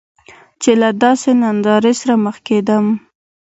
چې له داسې نندارې سره مخ کیدم.